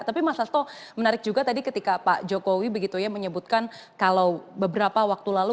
tapi mas sasto menarik juga tadi ketika pak jokowi begitu ya menyebutkan kalau beberapa waktu lalu